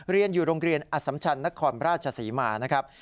เรียนอยู่โรงเรียนอสัมชันนครราชศรีมานะครับ